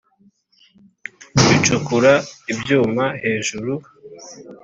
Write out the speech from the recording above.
Icukura ibyuma hejuru